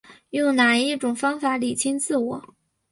用哪一种方法厘清自我